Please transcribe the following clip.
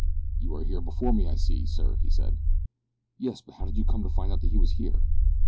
"You are here before me, I see, sir," he said. "Yes, but how did you come to find out that he was here?"